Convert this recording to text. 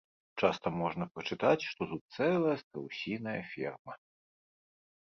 Часта можна прачытаць, што тут цэлая страусіная ферма.